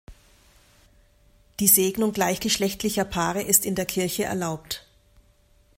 Die Segnung gleichgeschlechtlicher Paare ist in der Kirche erlaubt.